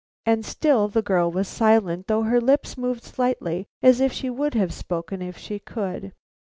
And still the girl was silent, though her lips moved slightly as if she would have spoken if she could.